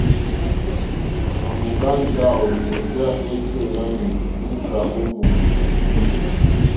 À mòŋgá ndáwò lìwòtéyá éètó yǎmì lùúkà ó mòóndá.